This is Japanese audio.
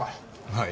はい。